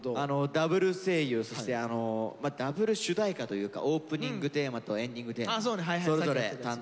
ダブル声優そしてダブル主題歌というかオープニングテーマとエンディングテーマそれぞれ担当させていただきました。